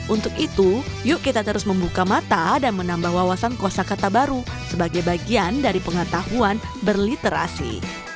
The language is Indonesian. untuk itu yuk kita terus membuka mata dan menambah wawasan kosa kata baru sebagai bagian dari pengetahuan berliterasi